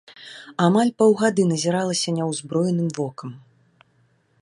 Амаль паўгады назіралася няўзброеным вокам.